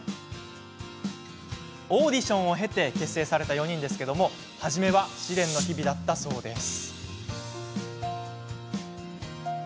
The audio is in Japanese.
オーディションを経て結成された４人ですが初めは試練の日々だったそうです。